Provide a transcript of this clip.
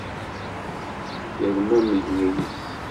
Yermameg wul-is.